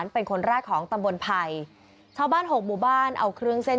เป็นคนแรกของตำบลไผ่ชาวบ้านหกหมู่บ้านเอาเครื่องเส้น